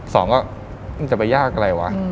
สองก็มึงจะไปยากอะไรวะ